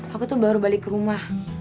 aku tuh baru balik ke rumah